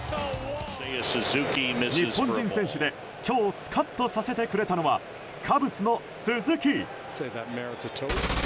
日本人選手で今日スカッとさせてくれたのはカブスの鈴木。